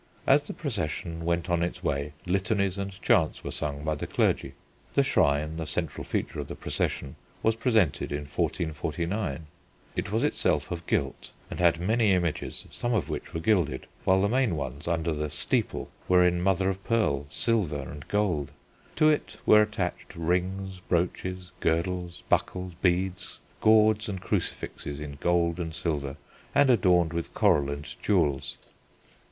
As the procession went on its way litanies and chants were sung by the clergy. The shrine, the central feature of the procession, was presented in 1449. It was itself of gilt and had many images some of which were gilded, while the main ones under the "steeple" were in mother of pearl, silver, and gold: to it were attached rings, brooches, girdles, buckles, beads, gawds and crucifixes, in gold and silver, and adorned with coral and jewels.